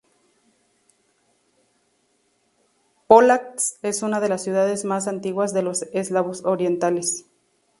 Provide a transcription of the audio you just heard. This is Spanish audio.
Pólatsk es una de las ciudades más antiguas de los Eslavos orientales.